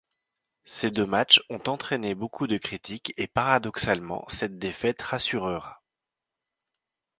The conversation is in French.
Ces deux matchs ont entrainées beaucoup de critiques et paradoxalement, cette défaite rassurera.